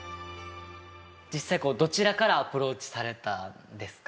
実際、どちらからアプローチされたんですか？